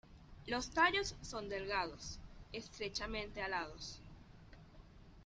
Los tallos son delgados, estrechamente alados.